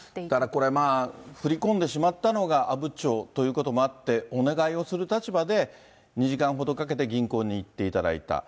これ、振り込んでしまったのが阿武町ということもあって、お願いをする立場で、２時間ほどかけて銀行に行っていただいた。